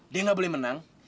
dia nggak boleh menang